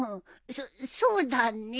そそうだね。